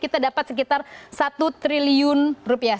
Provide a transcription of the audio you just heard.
kita dapat sekitar satu triliun rupiah